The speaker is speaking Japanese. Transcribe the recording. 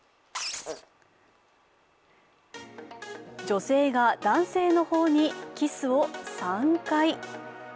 女性が男性の頬にキスを３回。